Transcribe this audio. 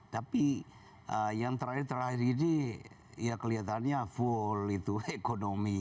tapi yang terakhir terakhir ini ya kelihatannya full itu ekonomi